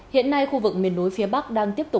hiện nay khu vực miền núi phía bắc đang tiếp cận đất đá